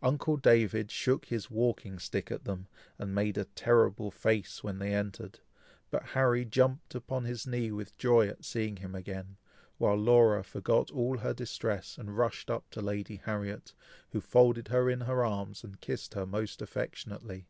Uncle David shook his walking stick at them, and made a terrible face, when they entered; but Harry jumped upon his knee with joy at seeing him again, while Laura forgot all her distress, and rushed up to Lady Harriet, who folded her in her arms, and kissed her most affectionately.